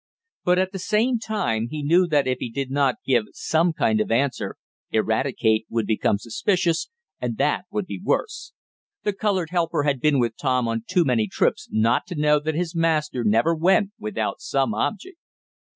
But, at the same time, he knew that if he did not give some kind of an answer Eradicate would become suspicious, and that would be worse. The colored helper had been with Tom on too many trips not to know that his master never went without some object.